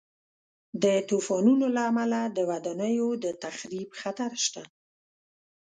د طوفانونو له امله د ودانیو د تخریب خطر شته.